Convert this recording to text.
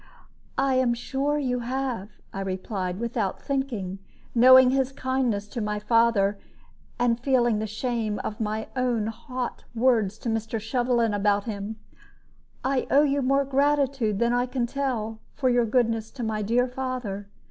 "I am sure you have," I replied, without thinking, knowing his kindness to my father, and feeling the shame of my own hot words to Mr. Shovelin about him. "I owe you more gratitude than I can tell, for your goodness to my dear father.